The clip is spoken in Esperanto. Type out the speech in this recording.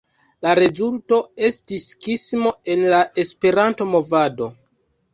La rezulto estis skismo en la esperanto-movado.